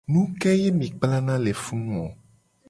Nu ke ye mi kplana le funu o?